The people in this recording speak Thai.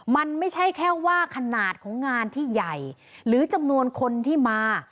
มันไม่ใช่แค่ว่าขนาดของงานที่ใหญ่หรือจำนวนคนที่มา